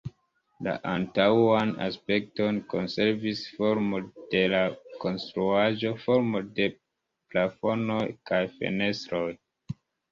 La antaŭan aspekton konservis formo de la konstruaĵo, formo de plafonoj kaj fenestroj.